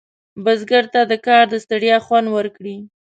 بزګر ته د کار د ستړیا خوند ورکړي